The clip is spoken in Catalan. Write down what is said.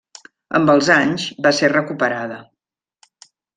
Amb els anys, va ser recuperada.